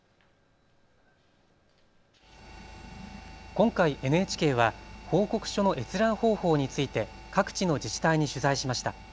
今回、ＮＨＫは報告書の閲覧方法について各地の自治体に取材しました。